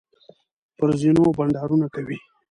پر زینو بنډارونه کوي.